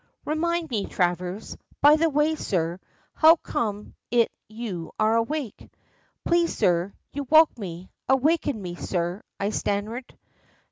Remind me, Travers. By the way, sir, how comes it you are awake?" "Please, sir, you woke me awakened me, sir," I stammered.